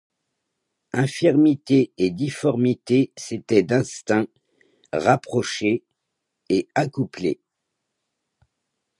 Infirmité et difformité s’étaient, d’instinct, rapprochées, et accouplées.